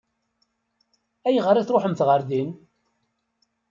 Ayɣer i tṛuḥemt ɣer din?